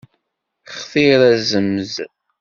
Xtir azemz.